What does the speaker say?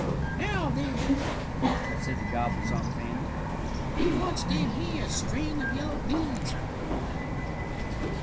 "Now, then," said the gobbler's Aunt Fanny, "he once gave me a string of yellow beads for corn."